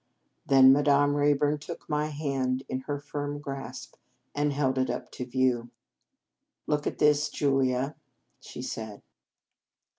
Then Madame Rayburn took my hand in her firm grasp and held it up to view. " Look at this, Julia," she said.